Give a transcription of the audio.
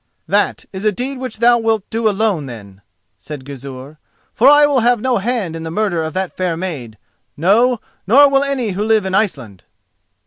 "That is a deed which thou wilt do alone, then," said Gizur, "for I will have no hand in the murder of that fair maid—no, nor will any who live in Iceland!"